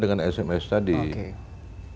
dengan sms tadi oke